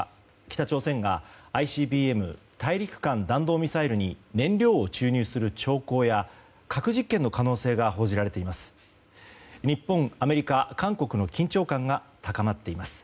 北朝鮮がＩＣＢＭ・大陸間弾道ミサイルに燃料を注入する兆候や核実験の可能性が報じられています。